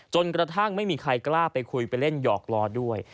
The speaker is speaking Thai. จนกระทั่งไม่มีใครกล้าไปคุยไปเล่นหยอกล้อด้วย